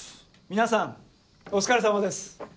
皆さんお疲れさまです。